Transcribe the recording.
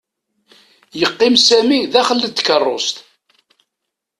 Yeqqim Sami daxel n tkarust.